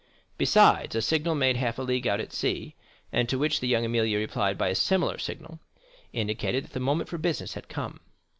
Besides, a signal made half a league out at sea, and to which La Jeune Amélie replied by a similar signal, indicated that the moment for business had come.